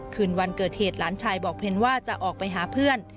คืนวันเกิดเหตุหลานชายบอกเพนว่าจะออกไปหาเพื่อน